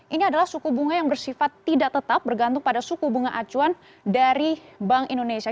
ini adalah suku bunga yang bersifat tidak tetap bergantung pada suku bunga acuan dari bank indonesia